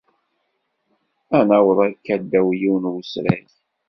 Ad naweḍ akka ddaw yiwen wesrag.